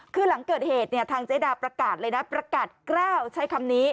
คือหลังเกิดเหตุเนี่ยทางเจดาประกาศเลยนะประกาศกล้าวใช้คำนี้